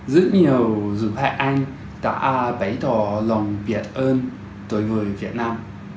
rất nhiều dụng hệ anh đã bày tỏ lòng biệt ơn tới với việt nam